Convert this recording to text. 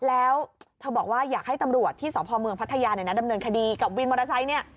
แล้วเธอบอกว่าอยากให้ตำรวจที่สพเมืองพัทยาดำเนินคดีกับวินมอเตอร์ไซค์เนี่ย